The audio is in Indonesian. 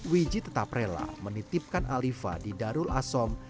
wiji tetap rela menitipkan alifa di darul asom